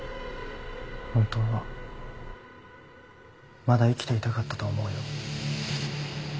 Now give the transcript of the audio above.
本当はまだ生きていたかったと思うよ。